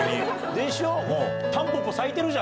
でしょ？